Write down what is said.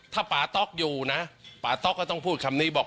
ถ้าป่าต๊อกอยู่นะป่าต๊อกก็ต้องพูดคำนี้บอก